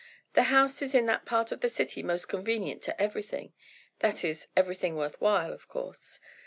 The house is in that part of the city most convenient to everything—that is, everything worth while, of course.